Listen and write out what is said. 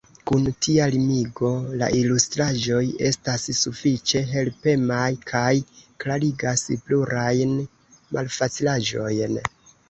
Kun tia limigo, la ilustraĵoj estas sufiĉe helpemaj kaj klarigas plurajn malfacilaĵojn.